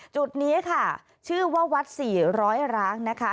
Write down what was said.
จุดนี้ค่ะชื่อว่าวัดสี่ร้อยร้างนะคะ